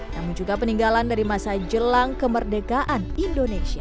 namun juga peninggalan dari masa jelang kemerdekaan indonesia